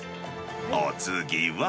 お次は。